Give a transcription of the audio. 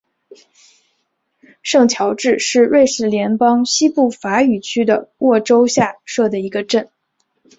圣乔治是瑞士联邦西部法语区的沃州下设的一个镇。